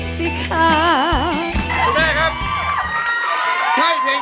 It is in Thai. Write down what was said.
สุดได้หรือครับ